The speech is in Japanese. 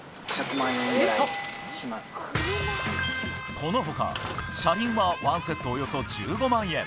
このほか車輪はワンセットおよそ１５万円。